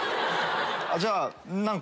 じゃあ何個？